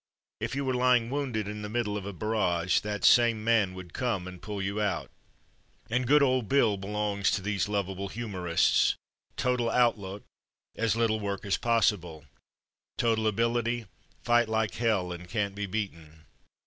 If you were lying wounded in the middle of a barrage that same man would come and pull you out. And good '^old BilF' belongs to these lovable humorists. Total Outlook: As little work as possible. Total Ability: Fight like hell, and can't be beaten.